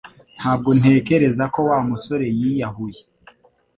Ntabwo ntekereza ko Wa musore yiyahuye